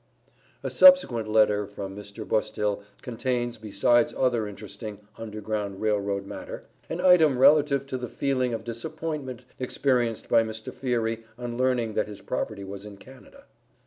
A subsequent letter from Mr. Bustill contains, besides other interesting Underground Rail Road matter, an item relative to the feeling of disappointment experienced by Mr. Fiery on learning that his property was in Canada.